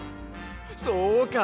そうか！